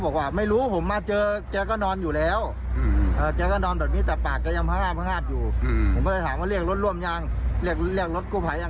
คุณร่วมยังเรียกรถกู้ไผล่ยัง